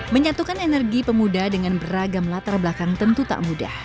menyatukan energi pemuda dengan beragam latar belakang tentu tak mudah